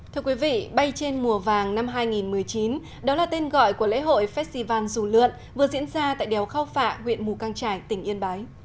thưa quý vị bay trên mùa vàng năm hai nghìn một mươi chín đó là tên gọi của lễ hội festival dù lượn vừa diễn ra tại đèo khao phạ huyện mù căng trải tỉnh yên bái